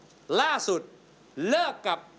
สวัสดีครับ